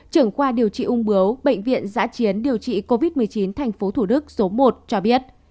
trưởng khoa điều trị ung bướu bệnh viện giã chiến điều trị covid một mươi chín tp thủ đức số một cho biết